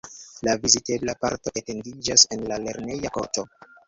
La vizitebla parto etendiĝas en la lerneja korto.